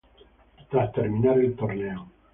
Tras terminar el torneo.